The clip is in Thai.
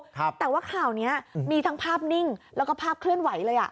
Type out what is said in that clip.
แต่ว่าข่าวเนี้ยมีทั้งภาพนิ่งแล้วก็ภาพเคลื่อนไหวเลยอ่ะ